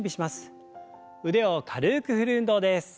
腕を軽く振る運動です。